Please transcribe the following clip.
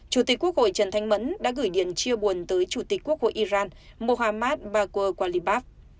chủ tịch quốc hội trần thanh mẫn đã gửi điện chia buồn tới chủ tịch quốc hội iran mohammad baguebab